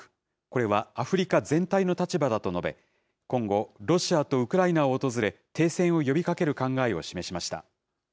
これはアフリカ全体の立場だと述べ、今後、ロシアとウクライナを訪れ、停戦を呼びかける考えを示しました。